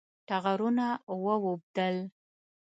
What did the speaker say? ټغرونه واوبدل